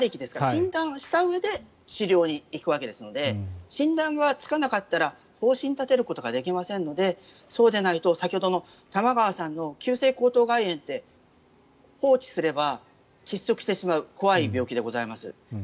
診断したうえで治療に行くわけですので診断がつかなかったら方針を立てることができませんのでそうでないと先ほどの玉川さんの急性喉頭蓋炎って放置すれば、窒息してしまう怖い病気でございます。